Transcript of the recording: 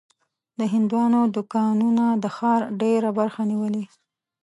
د هندوانو دوکانونه د ښار ډېره برخه نیولې.